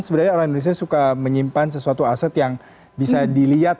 sebenarnya orang indonesia suka menyimpan sesuatu aset yang bisa dilihat